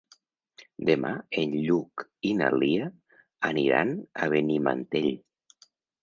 Demà en Lluc i na Lia aniran a Benimantell.